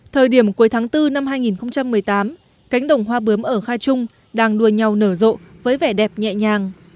thời điểm cuối tháng bốn năm hai nghìn một mươi tám cánh đồng hoa bướm ở khai trung đang đua nhau nở rộ với vẻ đẹp nhẹ nhàng